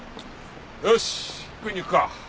よし食いに行くか！